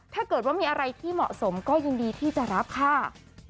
ถ้าเกิดว่ามีอะไรที่เหมาะสมก็ยินดีที่จะรับค่ะ